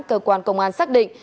cơ quan công an xác định